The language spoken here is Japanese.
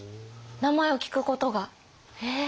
名前を聞くことが？え！